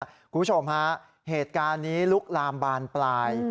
คุณผู้ชมฮะเหตุการณ์นี้ลุกลามบานปลาย